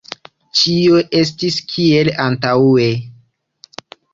Ĉio estis kiel antaŭe.